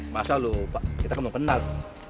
masa lo pak kita belum kenal